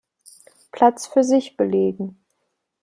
Platz für sich belegen.